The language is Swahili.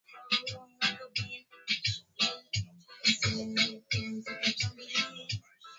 za kuweza kujiamulia kuhusu masuala mbali mbali ya maisha yao